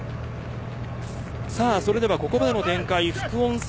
それではここまでの展開副音声